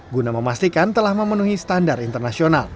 guna memastikan telah memenuhi standar internasional